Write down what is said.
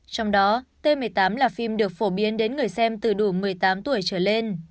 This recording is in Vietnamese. trong đó t một mươi tám là phim được phổ biến đến người xem từ đủ một mươi tám tuổi trở lên